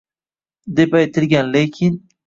deb aytilgan, lekin